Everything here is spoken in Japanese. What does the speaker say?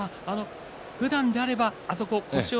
ふだんであれば、あそこ腰を。